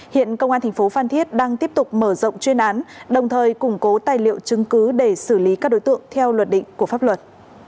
hiện công an thành phố phan thiết đang tiếp tục mở rộng chuyên án đồng thời củng cố tài liệu chứng cứ để xử lý các đối tượng theo luật định của pháp luật